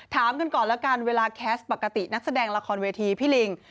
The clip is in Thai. ถามกันก่อนแล้วกันเวลาแคสต์ปกตินักแสดงละครเวทีพี่ลิง